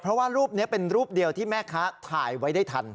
เพราะว่ารูปนี้เป็นรูปเดียวที่แม่ค้าถ่ายไว้ได้ทัน